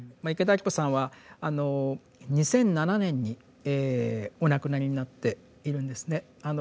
池田晶子さんはあの２００７年にお亡くなりになっているんですね。